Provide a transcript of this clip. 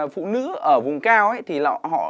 phụ nữ ở vùng cao